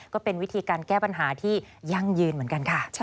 ก็เป็นวิธีการแก้ปัญหาที่ยั่งยืนเหมือนกันค่ะ